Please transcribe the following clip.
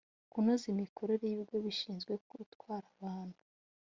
kunoza imikorere y ibigo bishinzwe gutwara abantu